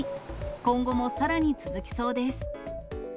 今後もさらに続きそうです。